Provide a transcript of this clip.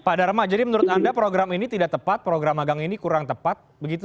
pak dharma jadi menurut anda program ini tidak tepat program magang ini kurang tepat begitu